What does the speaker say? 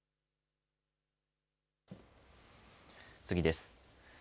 次です。